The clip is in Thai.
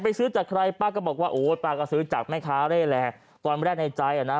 ซื้อจากใครป้าก็บอกว่าโอ้ป้าก็ซื้อจากแม่ค้าเร่แหละตอนแรกในใจอ่ะนะ